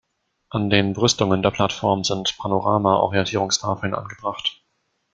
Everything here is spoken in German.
An den Brüstungen der Plattform sind Panorama-Orientierungstafeln angebracht.